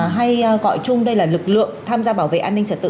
hay gọi chung đây là lực lượng tham gia bảo vệ an ninh trật tự